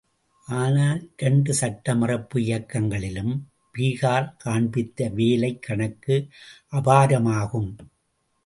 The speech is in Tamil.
ஆனால், இரண்டு சட்ட மறுப்பு இயக்கங்களிலும் பீகார் காண்பித்த வேலைக் கணக்கு அபாரமாகும்.